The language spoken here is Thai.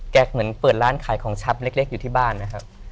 เหมือนเปิดร้านขายของชำเล็กอยู่ที่บ้านนะครับ